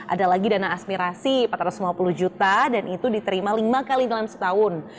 ada lagi dana aspirasi empat ratus lima puluh juta dan itu diterima lima kali dalam setahun